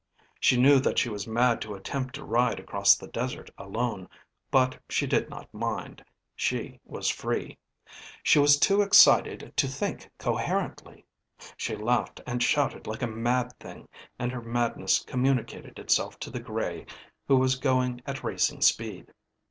She knew that she was mad to attempt to ride across the desert alone, but she did not mind. She was free. She was too excited to think coherently. She laughed and shouted like a mad thing and her madness communicated itself to the grey, who was going at racing speed.